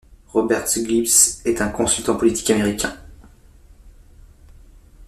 Robert Gibbs est un consultant politique américain.